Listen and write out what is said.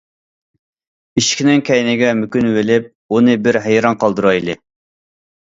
ئىشىكنىڭ كەينىگە مۆكۈنۈۋېلىپ، ئۇنى بىر ھەيران قالدۇرايلى.